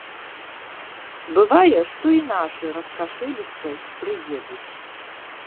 Бывае, што і нашы раскашэліцца прыедуць.